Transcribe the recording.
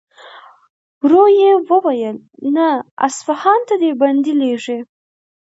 ورو يې وويل: نه! اصفهان ته دې بندې لېږي.